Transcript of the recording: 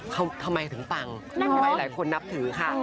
เขาทำไมถึงฟังไม่ไหลคนนับถือค่ะ